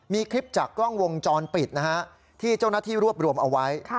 มีคลิปจากกล้องวงจรปิดนะฮะที่เจ้าหน้าที่รวบรวมเอาไว้